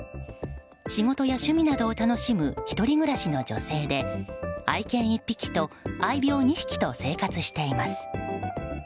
仕事や趣味などを楽しむ１人暮らしの女性で愛犬１匹と、愛猫２匹と生活しています。